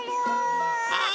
あ！